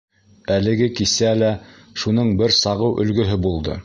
Әлеге кисә лә шуның бер сағыу өлгөһө булды.